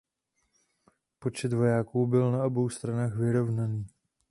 Počet vojáků byl na obou stranách vyrovnaný.